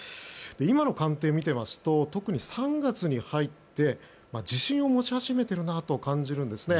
今の官邸を見ていますと特に３月に入って自信を持ち始めているなと感じるんですね。